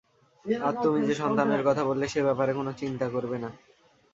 আর তুমি যে সন্তানের কথা বললে, সে ব্যাপারে কোন চিন্তা করবে না।